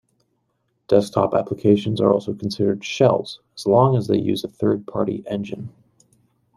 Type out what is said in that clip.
Desktop applications are also considered shells, as long as they use a third-party engine.